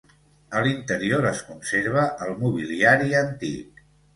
A l'interior es conserva el mobiliari antic.